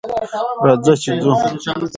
راځه چې ځو